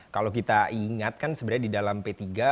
kalau kita ingat kan sebenarnya di dalam p tiga